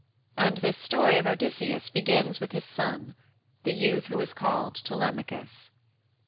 And this story of Odysseus begins with his son, the youth who was called Telemachus.